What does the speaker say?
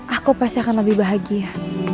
aku pasti akan lebih bahagia